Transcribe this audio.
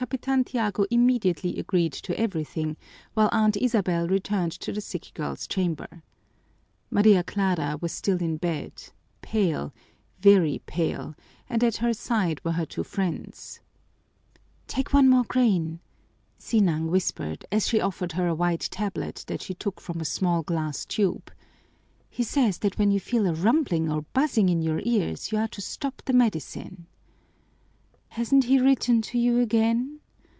Capitan Tiago immediately agreed to everything, while Aunt Isabel returned to the sick girl's chamber. Maria Clara was still in bed, pale, very pale, and at her side were her two friends. "Take one more grain," Sinang whispered, as she offered her a white tablet that she took from a small glass tube. "He says that when you feel a rumbling or buzzing in your ears you are to stop the medicine." "Hasn't he written to you again?"